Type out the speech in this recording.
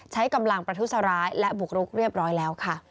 ใช้กำลังประทุษร้ายและบุกรุกเรียบร้อยแล้วค่ะ